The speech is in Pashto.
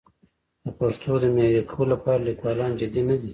د پښتو د معیاري کولو لپاره لیکوالان جدي نه دي.